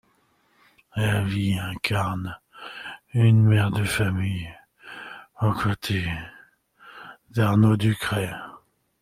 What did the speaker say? Elle y incarne une mère de famille aux côtés d'Arnaud Ducret.